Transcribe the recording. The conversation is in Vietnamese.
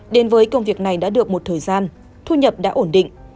đến với công việc này đã được một thời gian thu nhập đã ổn định